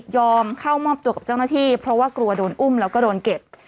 เข้ามอบตัวกับเจ้าหน้าที่เพราะว่ากลัวโดนอุ้มแล้วก็โดนเก็บ